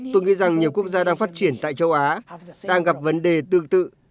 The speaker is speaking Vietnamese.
tôi nghĩ rằng nhiều quốc gia đang phát triển tại châu á đang gặp vấn đề tương tự